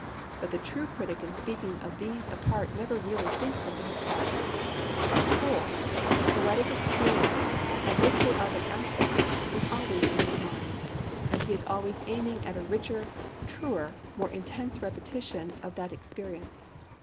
But the true critic in speaking of these apart never really thinks of them apart; the whole, the poetic experience, of which they are but aspects, is always in his mind; and he is always aiming at a richer, truer, more intense repetition of that experience.